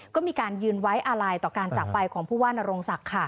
ก็มีการยืนไว้อาลัยต่อการจากไปของผู้ว่านโรงศักดิ์ค่ะ